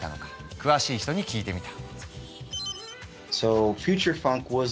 詳しい人に聞いてみた。